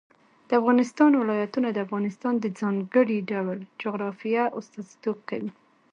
د افغانستان ولايتونه د افغانستان د ځانګړي ډول جغرافیه استازیتوب کوي.